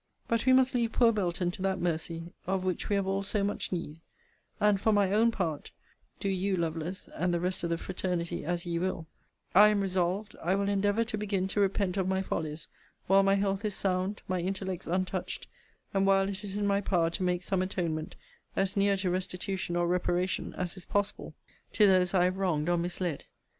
But we must leave poor Belton to that mercy, of which we have all so much need; and, for my own part (do you, Lovelace, and the rest of the fraternity, as ye will) I am resolved, I will endeavour to begin to repent of my follies while my health is sound, my intellects untouched, and while it is in my power to make some atonement, as near to restitution or reparation, as is possible, to those I have wronged or misled.